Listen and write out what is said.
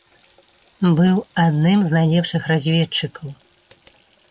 Быў адным з найлепшых разведчыкаў.